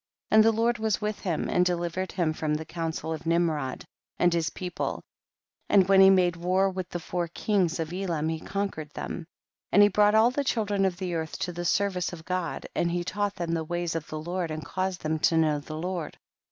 35. And the Lord was with him and delivered him from the counsel of Ninirod and his people, and when he made war with the four kings of Elam he conquered them. 36. And he brought all the chil dren of the earth to the service of God, and he taught them the ways of the Lord, and caused them to know the Lord.